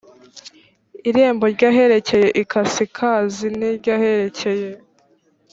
irembo ry aherekeye ikasikazi n iry aherekeye